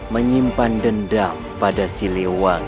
menyimpan dendam pada siliwangi